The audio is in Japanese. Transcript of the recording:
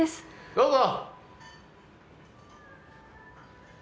どうぞ。